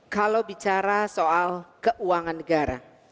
kalau bicara soal keuangan negara